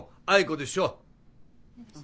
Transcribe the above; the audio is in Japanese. あいこでしょ